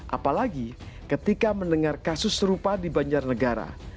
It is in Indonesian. apalagi ketika mendengar kasus serupa di banjarnegara